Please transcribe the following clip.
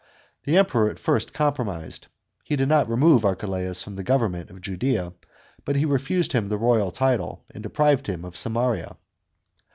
The Emperor at first compromised. He did not remove Archelaus from the government of Ju'lea, but he refused him the royal title, and deprived him of Samaria.